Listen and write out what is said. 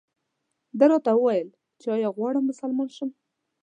ده راته وویل چې ایا غواړم مسلمان شم.